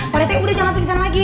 parente udah jangan pingsan lagi